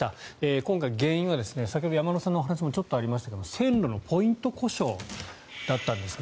今回、原因は先ほど山村さんの話にもちょっとありましたが線路のポイント故障だったんですね。